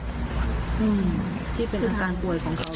โทษท้ายอันตรายชะมัด